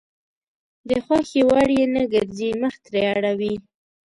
د خوښې وړ يې نه ګرځي مخ ترې اړوي.